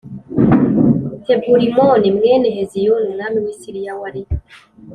Taburimoni mwene Heziyoni umwami w i Siriya wari